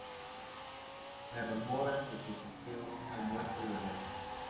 Se rumora de que sufrió una muerte violenta.